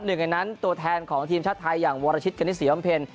หนึ่งในนั้นตัวแทนของทีมชาติไทยอย่างวรชิตกณิตศรีอำเพ็ญ